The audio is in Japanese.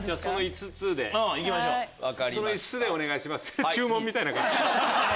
その５つでお願いします。